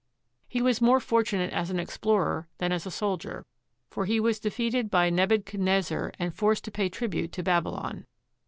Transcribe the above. He was more fortunate as an explorer than as a soldier, for he was defeated by Nebuchadnezzar and forced to pay tribute to Babylon.